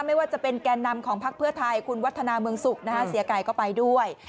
ไม่ว่าจะเป็นแก่นำของพักเพื่อไทยคุณวัฒนาเมืองสุขเสียไก่ก็ไปด้วย